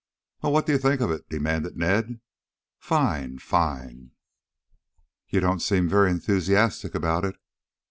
"Well, what do you think of it?" demanded Ned. "Fine, fine!" "You don't seem very enthusiastic about it."